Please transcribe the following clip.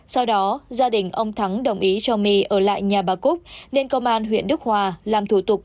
sau đó gia đình ông thắng đồng ý cho my ở lại nhà bà cúc nên công an huyện đức hòa làm thủ tục